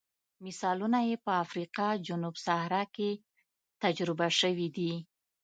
مثالونه یې په افریقا جنوب صحرا کې تجربه شوي دي.